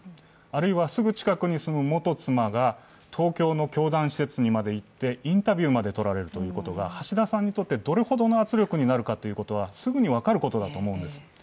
あるいはすぐ近くに住む元妻が東京の教団施設にまで行ってインタビューまで撮られるということが橋田さんにとってどれほどの圧力になるかということは、すぐに分かることだと思うんです。